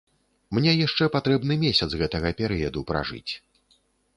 Мне яшчэ патрэбны месяц гэтага перыяду пражыць.